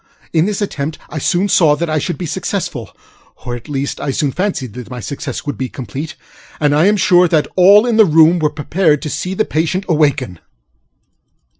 In this attempt I soon saw that I should be successfulŌĆöor at least I soon fancied that my success would be completeŌĆöand I am sure that all in the room were prepared to see the patient awaken.